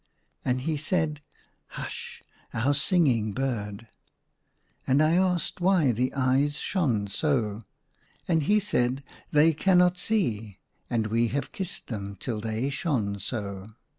And he said, "Hush! Our singing bird." And I asked why the eyes shone so. And he said, " They cannot see, and we have kissed them till they shone so."